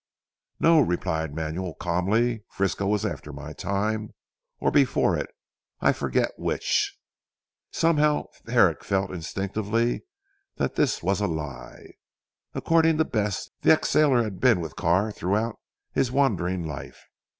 "No!" replied Manuel calmly. "Frisco was after my time, or before it; I forget which." Somehow Herrick felt instinctively that this was a lie. According to Bess the ex sailor had been with Carr throughout his wandering life.